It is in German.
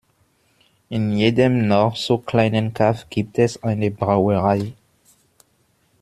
In jedem noch so kleinen Kaff gibt es eine Brauerei.